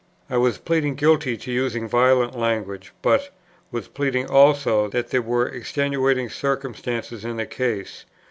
I was pleading guilty to using violent language, but I was pleading also that there were extenuating circumstances in the case.